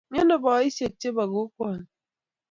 Miano boisiek chebo kokwani?